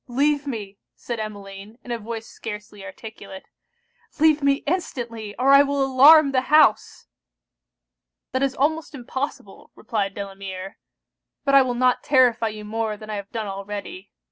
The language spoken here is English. leave me!' said Emmeline, in a voice scarcely articulate. 'Leave me instantly, or I will alarm the house!' 'That is almost impossible!' replied Delamere; 'but I will not terrify you more than I have done already.